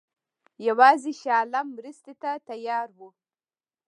یوازې شاه عالم مرستې ته تیار وو.